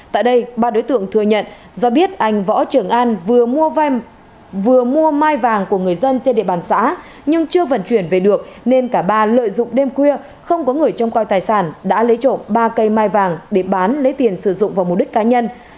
tại đây ba đối tượng thừa nhận do biết anh võ trường an vừa mua mai vàng của người dân trên địa bàn xã nhưng chưa vận chuyển về được nên cả ba lợi dụng đêm khuya không có người trông coi tài sản đã lấy trộm ba cây mai vàng để bán lấy tiền sử dụng vào mục đích cá nhân